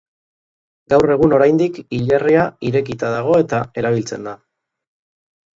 Gaur egun oraindik hilerria irekita dago eta erabiltzen da.